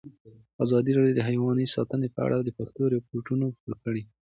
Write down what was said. ازادي راډیو د حیوان ساتنه په اړه د پېښو رپوټونه ورکړي.